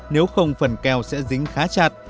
nếu không phần keo sẽ dính khá chặt